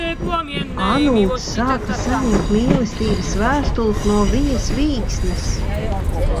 Anūts sāka saņemt mīlestības vēstules no Vijas Vīksnes.